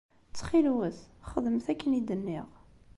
Ttxil-wet, xedmet akken i d-nniɣ.